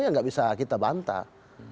ya tidak bisa kita bantah